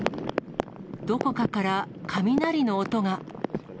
どこかから、雷の音が。